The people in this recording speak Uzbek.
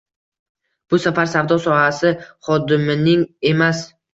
Bu safar savdo sohasi xodimining emas